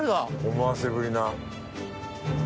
思わせぶりな。